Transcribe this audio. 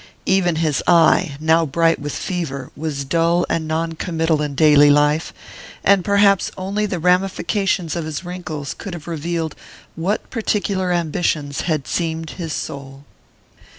Even his eye, now bright with fever, was dull and non committal in daily life; and perhaps only the ramifications of his wrinkles could have revealed what particular ambitions had seamed his soul.